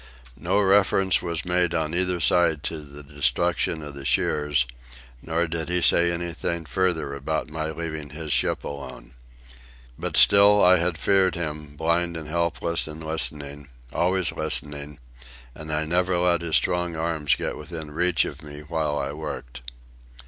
No reference was made on either side to the destruction of the shears; nor did he say anything further about my leaving his ship alone. But still I had feared him, blind and helpless and listening, always listening, and I never let his strong arms get within reach of me while I worked.